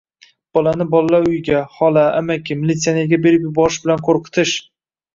Bolani bolalar uyiga, xola, amaki, militsionerga berib yuborish bilan qo‘rqitish